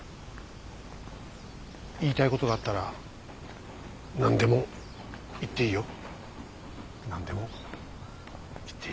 言いたいことがあったら何でも言っていいよ。何でも言っていい。